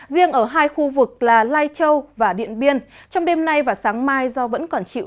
riêng ở hai khu vực là lai châu và điện biên trong đêm nay và sáng mai do vẫn còn chịu